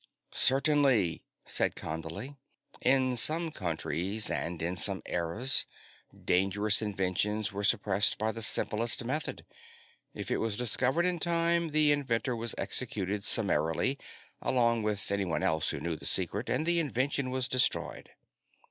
"Certainly," said Condley. "In some countries, and in some eras, dangerous inventions were suppressed by the simplest method. If it was discovered in time, the inventor was executed summarily, along with anyone else who knew the secret, and the invention was destroyed.